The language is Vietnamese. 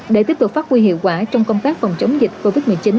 để tiếp tục phát huy hiệu quả trong công tác phòng chống dịch covid một mươi chín